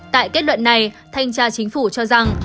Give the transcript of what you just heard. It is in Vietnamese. tại kết luận này thanh tra chính phủ cho rằng